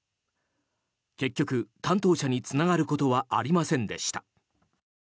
結局、担当者につながることはありませんでした。